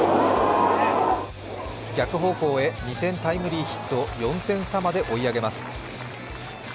逆方向へ２点タイムリーヒット、４点差まで追い上げます。